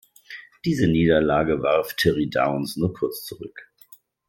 Diese Niederlage warf Terry Downes nur kurz zurück.